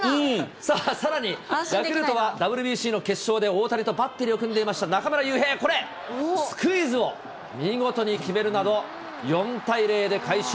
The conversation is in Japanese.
さらにヤクルトはＷＢＣの決勝で大谷とバッテリーを組んでいました、中村悠平、これ、スクイズを見事に決めるなど４対０で快勝。